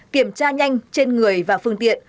kiểm tra nhanh trên người và phương tiện